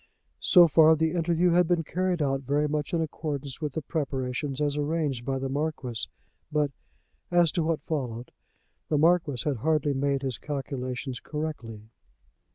So far the interview had been carried out very much in accordance with the preparations as arranged by the Marquis; but, as to what followed, the Marquis had hardly made his calculations correctly.